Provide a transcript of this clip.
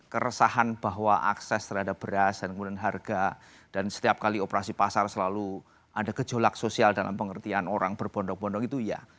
keresahan bahwa akses terhadap beras dan kemudian harga dan setiap kali operasi pasar selalu ada gejolak sosial dalam pengertian orang berbondong bondong itu ya